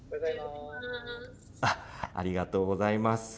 ありがとうございます。